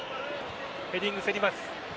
ヘディング、競ります。